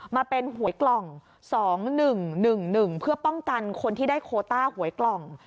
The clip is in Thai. มาเป็นหวยกล่องสองหนึ่งหนึ่งหนึ่งเพื่อป้องกันคนที่ได้โคต้าหวยกล่อง